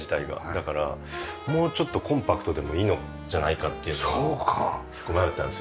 だからもうちょっとコンパクトでもいいんじゃないかっていうのは結構迷ったんですよ。